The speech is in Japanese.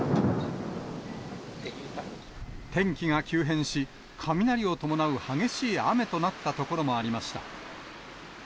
天気が急変し、雷を伴う激しい雨となった所もありました。